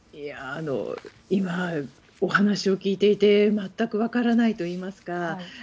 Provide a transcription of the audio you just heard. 今、お話を聞いていて全く分からないといいますか。